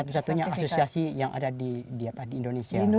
satu satunya asosiasi yang ada di indonesia